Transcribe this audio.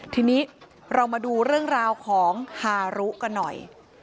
ทีนี้เรามาดูเรื่องราวของฮารุกันหน่อย